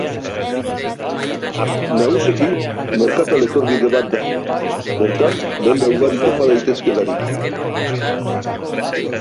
Nagusiki merkatal etorbide bat da, bertan denda ugari topa daitezkeelarik.